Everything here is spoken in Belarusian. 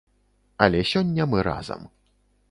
Але сёння мы разам.